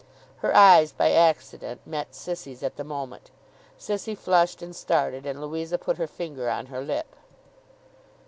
Her eyes by accident met Sissy's at the moment. Sissy flushed and started, and Louisa put her finger on her lip.